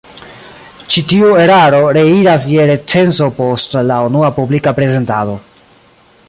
Ĉi tiu eraro reiras je recenzo post la unua publika prezentado.